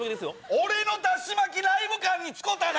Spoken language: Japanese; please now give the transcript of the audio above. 俺のダシ巻きライブ感に使たな！